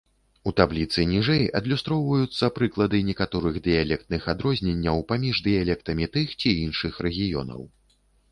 У табліцы ніжэй адлюстроўваюцца прыклады некаторых дыялектных адрозненняў паміж дыялектамі тых ці іншых рэгіёнаў.